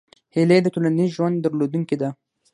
هیلۍ د ټولنیز ژوند درلودونکې ده